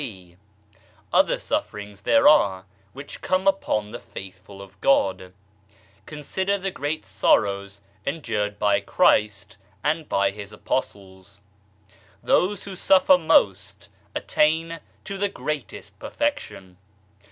(b) Other sufferings there are, which come upon the Faithful of God. Consider the great sorrows endured by Christ, and by His Apostles ! Those who suffer most, attain to the greatest perfec tion.